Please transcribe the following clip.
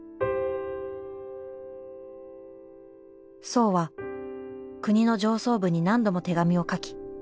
荘は国の上層部に何度も手紙を書き